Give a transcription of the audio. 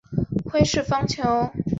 目前住在兵库县。